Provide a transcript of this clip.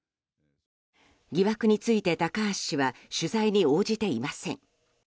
疑惑について高橋氏は取材に応じていません。